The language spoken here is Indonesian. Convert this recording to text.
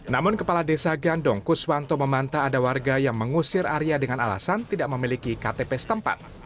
namun kepala desa gandong kuswanto memanta ada warga yang mengusir area dengan alasan tidak memiliki ktp setempat